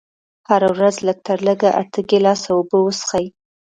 هره ورځ لږ تر لږه اته ګيلاسه اوبه وڅښئ.